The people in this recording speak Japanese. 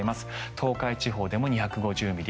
東海地方でも２５０ミリ。